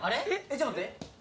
ちょっと待って。